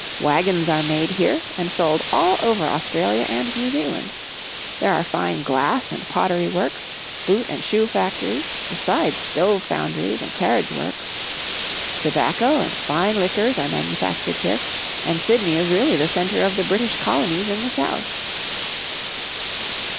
Wagons are made here and sold Sailing to Sydney 19 all over Australia and New Zealand. There are fine glass and pottery works, boot and shoe factories, besides stove foundries and carriage works. Tobacco and fine liquors are manufac tured here and Sydney is really the center of the British colonies in the South."